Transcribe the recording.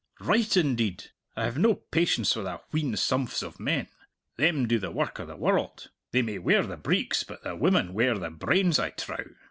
Write, indeed! I have no patience with a wheen sumphs of men! Them do the work o' the world! They may wear the breeks, but the women wear the brains, I trow.